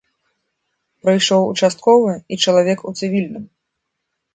Прыйшоў участковы і чалавек у цывільным.